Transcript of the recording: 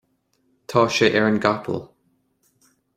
tá sé ar an gcapall